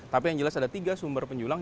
tapi yang jelas ada tiga sumber penjulang